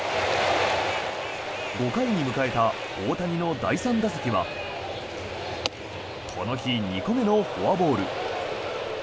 ５回に迎えた大谷の第３打席はこの日、２個目のフォアボール。